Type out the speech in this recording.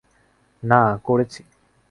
না, করেছি।